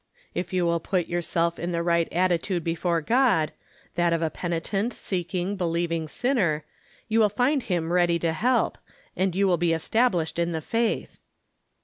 If you wUl put yourseK in the right attitude be fore God — that of a penitent, seeldng, believing sinner — jovi will find him ready to help, and you wUl be established in the faith."